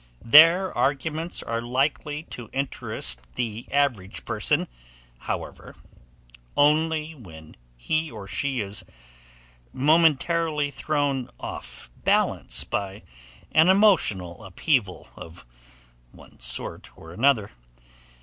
Their arguments are likely to interest the average person, however, only when he or she is momentarily thrown off balance by an emotional upheaval of one sort or another.